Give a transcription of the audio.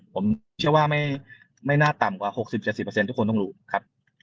ผมเชื่อว่าไม่น่าต่ำกว่า๖๐๗๐ทุกคนต้องรู้ครับ